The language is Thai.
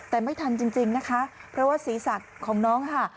แต่ไม่ทันจริงนะคะเพราะว่าศีรษะของน้องค่ะ